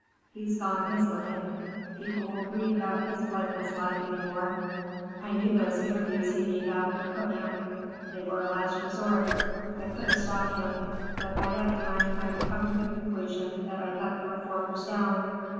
He's gone his limit. People won't read about his blameless life any more. I knew those interviews he gave out would cook him. They were a last resort. I could have stopped him, but by that time I'd come to the conclusion that I'd let the reformers down.